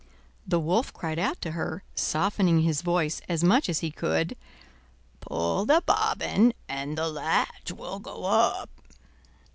The Wolf cried out to her, softening his voice as much as he could: "Pull the bobbin and the latch will go up."